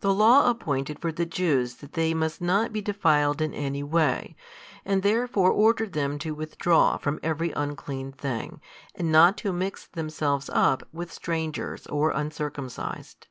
The Law appointed for the Jews that they must not be defiled in any way, and therefore ordered them to withdraw from every unclean thing, and not to mix themselves up with strangers, or uncircumcised.